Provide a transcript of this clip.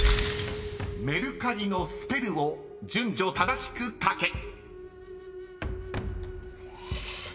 ［メルカリのスペルを順序正しく書け］え